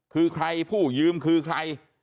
คือใครผู้ยืมคือใคร